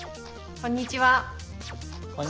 こんにちは。